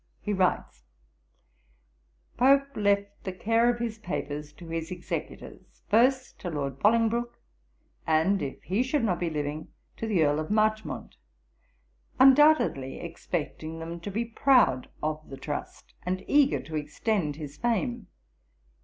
He writes: 'Pope left the care of his papers to his executors; first to Lord Bolingbroke; and, if he should not be living, to the Earl of Marchmont: undoubtedly expecting them to be proud of the trust, and eager to extend his fame.